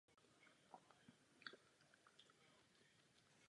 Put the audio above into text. Zálibu v tanci objevil po zhlédnutí videoklipu Michaela Jacksona k písničce "Thriller".